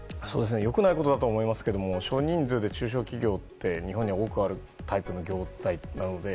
良くないことだと思いますけど少人数で中小企業って日本には多くあるタイプの業態なので。